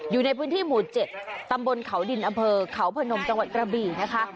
อยู่ในพื้นที่หมู่๗ตำบลเขาดินอำเภอเขาพนมจังหวัดกระบี่นะคะ